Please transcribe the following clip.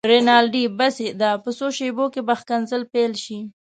رینالډي: بس یې ده، په څو شېبو کې به ښکنځل پيل شي.